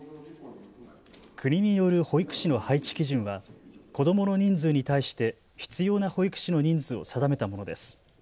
国による保育士の配置基準は子どもの人数に対して必要な保育士の人数を定めたものです。